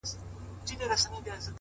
د ناروا زوی نه یم ـ